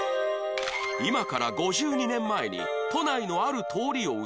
今から５２年前に都内のある通りを写した写真